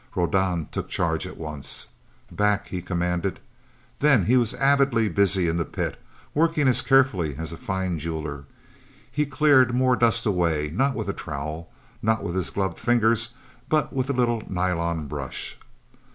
Rodan took charge at once. "Back!" he commanded. Then he was avidly busy in the pit, working as carefully as a fine jeweller. He cleared more dust away, not with a trowel, not with his gloved fingers, but with a little nylon brush.